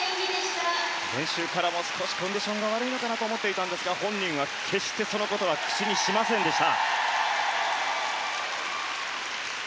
練習からも少しコンディションが悪いのかなと思っていたんですが本人は決してそのことは口にしませんでした。